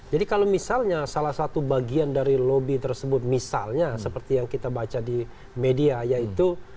jadi kalau misalnya salah satu bagian dari lobby tersebut misalnya seperti yang kita baca di media yaitu